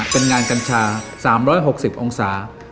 เป็นงานกัญชา๓๖๐องศา